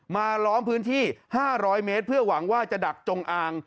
ล้อมพื้นที่๕๐๐เมตรเพื่อหวังว่าจะดักจงอาง